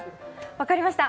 分かりました！